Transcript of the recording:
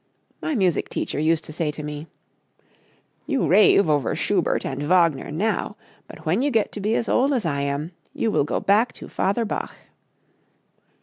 My music teacher used to say to me: "You rave over Schubert and Wagner now, but when you get to be as old as I am you will go back to Father Bach."